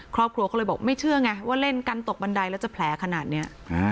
ครอบครัวก็เลยบอกไม่เชื่อไงว่าเล่นกันตกบันไดแล้วจะแผลขนาดนี้